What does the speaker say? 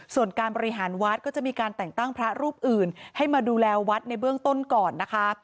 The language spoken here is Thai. ส่วนการบริหารวัดก็จะมีการแต่งตั้งพระรูปอื่นให้มาดูแลวัดในเบื้องต้นก่อนนะคะ